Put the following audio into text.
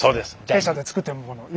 弊社で作っているもの